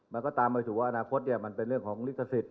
มันก็ตามไปสู่ว่าอนาคตเนี่ยมันเป็นเรื่องของฤทธิศิษฐ์